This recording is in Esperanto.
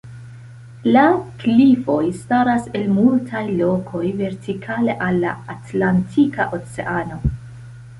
La klifoj staras el multaj lokoj vertikale al la Atlantika oceano.